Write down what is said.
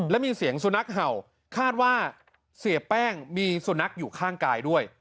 และมีเสียงสุนัขเห่าคาดว่าเสียแป้งมีสุนัขอยู่ข้างกายด้วย